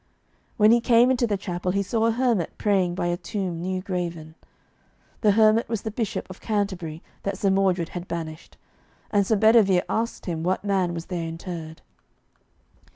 When he came into the chapel he saw a hermit praying by a tomb new graven. The hermit was the Bishop of Canterbury that Sir Mordred had banished, and Sir Bedivere asked him what man was there interred.